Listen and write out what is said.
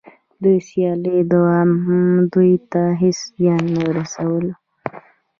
د سیالۍ دوام دوی ته هېڅ زیان نه رسولو